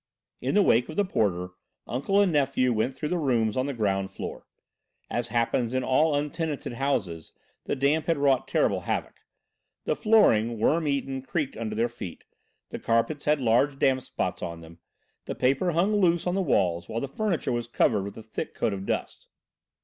In the wake of the porter, uncle and nephew went through the rooms on the ground floor. As happens in all untenanted houses, the damp had wrought terrible havoc. The flooring, worm eaten, creaked under their feet, the carpets had large damp spots on them, the paper hung loose on the walls, while the furniture was covered with a thick coat of dust.